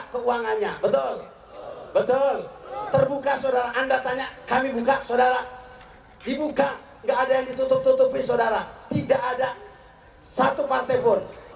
tidak ada satu partai pun